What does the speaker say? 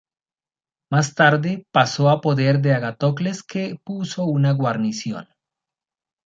Más tarde pasó a poder de Agatocles que puso una guarnición.